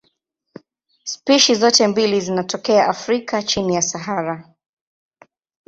Spishi zote mbili zinatokea Afrika chini ya Sahara.